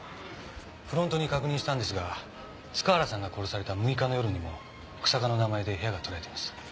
フロントに確認したんですが塚原さんが殺された６日の夜にも日下の名前で部屋が取られています。